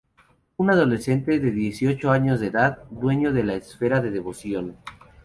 Un adolescente de dieciocho años de edad, dueño de la esfera de Devoción.